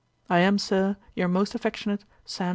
'I am, Sir, 'Your most affectionate 'SAM.